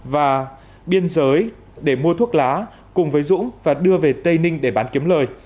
và biên giới để mua thuốc lá cùng với dũng và đưa về tây ninh để bán kiếm lời